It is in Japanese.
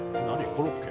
コロッケ？